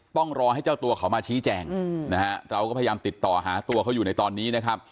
ต้องรอให้เจ้าตัวเขามาชี้แจงนะฮะเราก็พยายามติดต่อหาตัวเขาอยู่ในตอนนี้นะครับ